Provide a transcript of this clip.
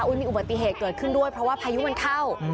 มีอุบัติเหตุเกิดขึ้นด้วยเพราะว่าพายุมันเข้า